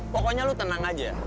pokoknya lo tenang aja